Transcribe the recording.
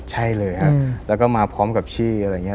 ใช่เลยครับแล้วก็มาพร้อมกับชื่ออะไรอย่างนี้